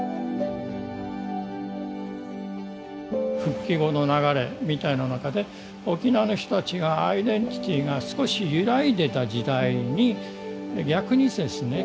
復帰後の流れみたいな中で沖縄の人たちがアイデンティティーが少し揺らいでた時代に逆にですね